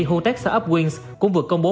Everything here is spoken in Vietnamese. hotech startup wings cũng vừa công bố